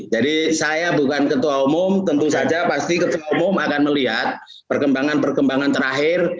jadi saya bukan ketua umum tentu saja pasti ketua umum akan melihat perkembangan perkembangan terakhir